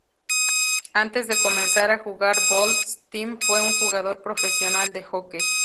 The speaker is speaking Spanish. Antes de comenzar a jugar bowls, Tim fue un jugador profesional de hockey.